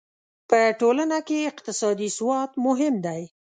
په ټولنه کې اقتصادي سواد مهم دی.